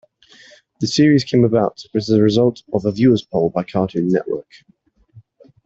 The series came about as the result of a viewer's poll by Cartoon Network.